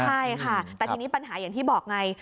ใช่ค่ะแต่ทีนี้ปัญหาอย่างที่บอกไง